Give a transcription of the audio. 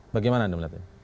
bagaimana anda melihatnya